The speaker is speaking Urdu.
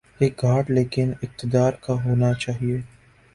یہ گھاٹ لیکن اقتدارکا ہو نا چاہیے۔